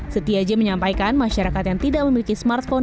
setiaji menyampaikan masyarakat yang tidak memiliki smartphone